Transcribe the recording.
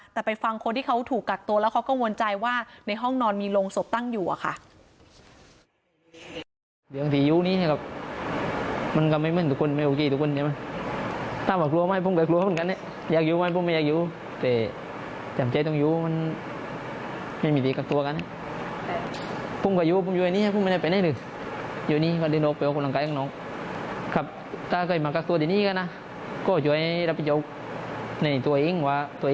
แต่ไปฟังคนที่เขาถูกกักตัวแล้วเขากังวลใจว่าในห้องนอนมีโรงศพตั้งอยู่อะค่ะ